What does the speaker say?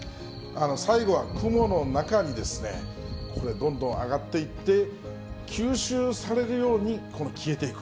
最後は雲の中にこれ、どんどん上がっていって、吸収されるように、消えていく。